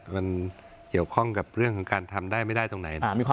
มันเกี่ยวข้องกับเรื่องของการทำได้ไม่ได้ตรงไหน